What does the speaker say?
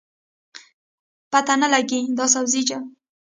پته نه لګي دا سبزي ده